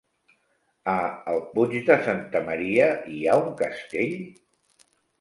A el Puig de Santa Maria hi ha un castell?